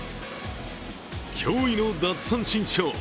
驚異の奪三振ショー。